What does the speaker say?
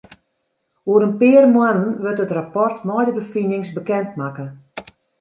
Oer in pear moannen wurdt it rapport mei de befinings bekend makke.